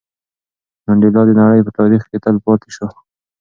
منډېلا د نړۍ په تاریخ کې تل پاتې شو.